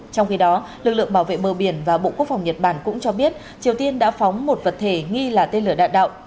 trong khi đó lực lượng bảo vệ bờ biển và bộ quốc phòng nhật bản cũng cho biết triều tiên đã phóng một vật thể nghi là tên lửa đạn đạo